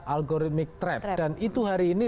algorimic trap dan itu hari ini